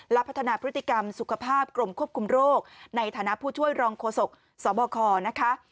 และพัฒนาพฤติกรรมสุขภาพกรมควบคุมโรคในฐานะผู้ช่วยรองโฆษกสบคนะคะ